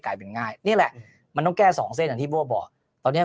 กลายเป็นง่ายนี่แหละมันต้องแก้สองเส้นอ่ะที่พ่อบอกตอนนี้